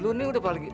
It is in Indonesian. lu ini udah paling